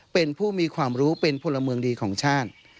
เป็นผู้มีความรู้เป็นพลเมืองดีของชาติ